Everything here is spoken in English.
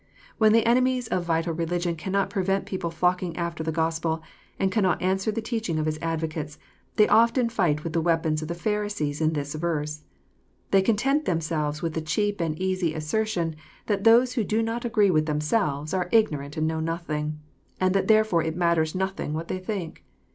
When the enemies of vital relig ion cannot prevent people flocking after the Gospel, and cannot answer the teaching of its advocates, they often fight with the weapons of the Pharisees in this verse. They content them selves with the cheap and easy assertion that those who do not agree with themselves are ignorant and know nothing, and that therefore it matters nothing what they think.